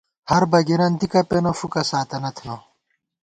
ہر بَگِرَن دِکہ پېنہ ، فُوکہ ساتَنہ تھنہ